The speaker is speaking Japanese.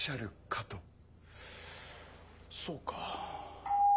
・そうか。